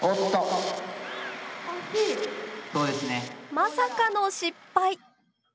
まさかの失敗。